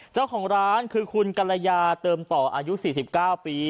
เจ้าของร้านคือคุณกัลยาเติมต่ออายุสี่สิบเก้าปี